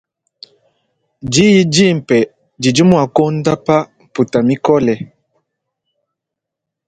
Diyi dimpe didi mua kuondopa mputa mikole.